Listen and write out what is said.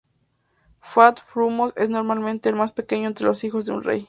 Făt-Frumos es normalmente el más pequeño entre los hijos de un rey.